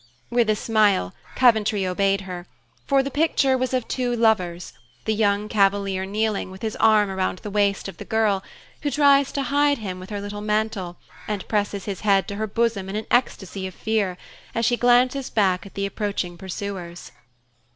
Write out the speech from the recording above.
With a smile, Coventry obeyed her; for the picture was of two lovers, the young cavalier kneeling, with his arm around the waist of the girl, who tries to hide him with her little mantle, and presses his head to her bosom in an ecstasy of fear, as she glances back at the approaching pursuers.